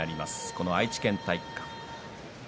この愛知県体育館。